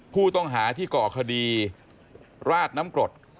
ผู้ต้องหาที่ก่อคดีราดน้ำกรด